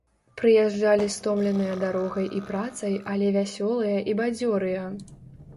Прыязджалі стомленыя дарогай і працай, але вясёлыя і бадзёрыя.